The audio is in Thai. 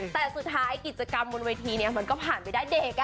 แต่สุดท้ายกิจกรรมบนเวทีนี้มันก็ผ่านไปได้เด็ก